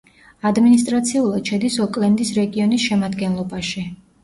ადმინისტრაციულად შედის ოკლენდის რეგიონის შემადგენლობაში.